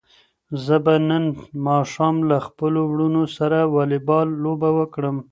زه به نن ماښام له خپلو وروڼو سره واليبال لوبه وکړم.